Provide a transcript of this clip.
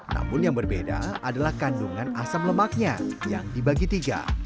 namun yang berbeda adalah kandungan asam lemaknya yang dibagi tiga